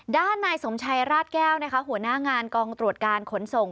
ด้านนายสมชัยราชแก้วหัวหน้างานกองตรวจการขนส่ง